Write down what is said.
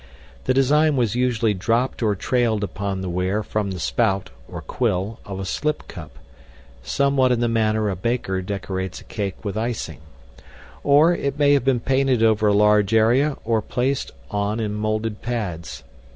The design was usually dropped or trailed upon the ware from the spout (or quill) of a slip cup, somewhat in the manner a baker decorates a cake with icing; or it may have been painted over a large area or placed on in molded pads.